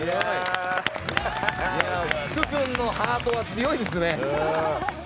福君のハートは強いですね。